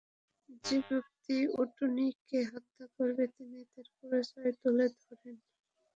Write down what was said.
যে ব্যক্তি উটনীটিকে হত্যা করবে তিনি তার পরিচয়ও তুলে ধরেন।